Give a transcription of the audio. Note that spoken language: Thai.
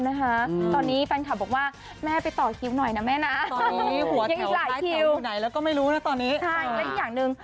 ใช่และอีกอย่างนึง